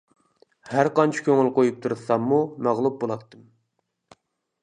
ھەرقانچە كۆڭۈل قويۇپ تىرىشساممۇ مەغلۇپ بولاتتىم.